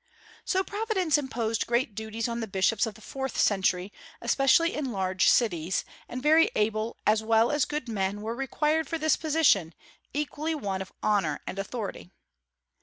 So Providence imposed great duties on the bishops of the fourth century, especially in large cities; and very able as well as good men were required for this position, equally one of honor and authority.